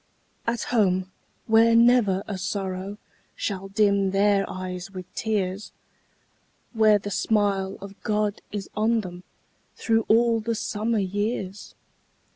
At home, where never a sorrow Shall dim their eyes with tears! Where the smile of God is on them Through all the summer years!